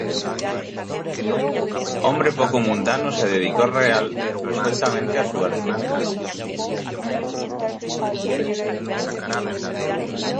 Hombre poco mundano, se dedicó resueltamente a su arte.